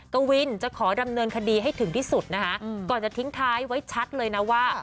กวินจะขอดำเนินคดีให้ถึงที่สุดนะคะก่อนจะทิ้งท้ายไว้ชัดเลยนะว่า